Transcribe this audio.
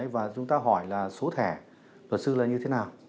và chúng ta hỏi là số thẻ luật sư là như thế nào